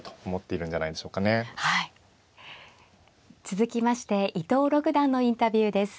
続きまして伊藤六段のインタビューです。